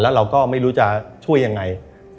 แล้วเราก็ไม่รู้จะช่วยยังไง